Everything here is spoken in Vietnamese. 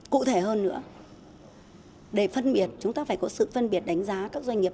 cụ thể hơn nữa để phân biệt chúng ta phải có sự phân biệt đánh giá các doanh nghiệp